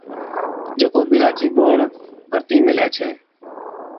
جڪو بِينڏا چِي ٻوھڻ ڀرتِي ميلھي ڇَي